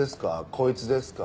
こいつですか？